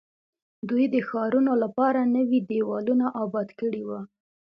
دوی د ښارونو لپاره لوی دیوالونه اباد کړي وو.